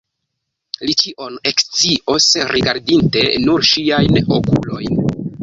Li ĉion ekscios, rigardinte nur ŝiajn okulojn.